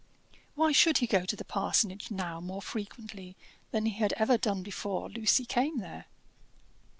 Why should he go to the parsonage now more frequently than he had ever done before Lucy came there?